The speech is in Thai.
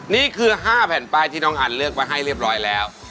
นี่คือ๕แผ่นป้ายที่น้องอันเลือกไว้ให้เรียบร้อยแล้ว